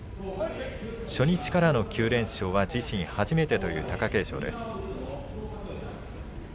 初日からの９連勝は自身初めてという貴景勝です。